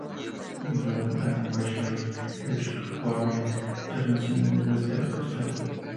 Biology and weed risk of Euphorbia terracina in Western Australia.